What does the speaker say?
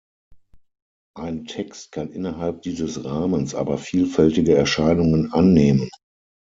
Ein Text kann innerhalb dieses Rahmens aber vielfältige Erscheinungen annehmen.